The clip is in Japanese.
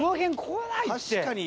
確かに。